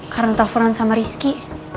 karena teleponan sama rizky